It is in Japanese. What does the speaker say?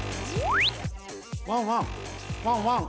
ワンワンワンワン！